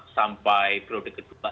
sampai periode kedua